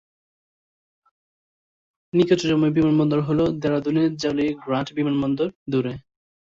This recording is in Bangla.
নিকটতম বিমানবন্দর হল দেরাদুনের জলি গ্রান্ট বিমানবন্দর, দূরে।